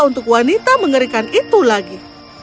untuk wanita mengerikan itu lagi